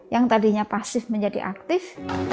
yang tadinya pasif menjadi aktif